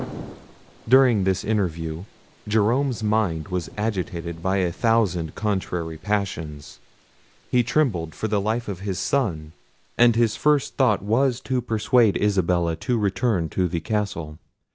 During this interview Jerome's mind was agitated by a thousand contrary passions. He trembled for the life of his son, and his first thought was to persuade Isabella to return to the castle.